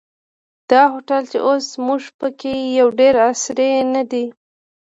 دا هوټل چې اوس موږ په کې یو ډېر عصري نه دی.